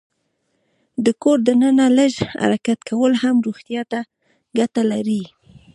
د کور دننه لږ حرکت کول هم روغتیا ته ګټه لري.